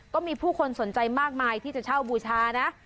ก็มีผู้คนสนใจมากมายที่จะเช่าบูชานะ